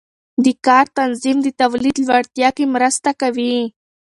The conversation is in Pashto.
د کار تنظیم د تولید لوړتیا کې مرسته کوي.